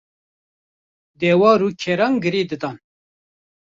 dewar û keran girêdidan.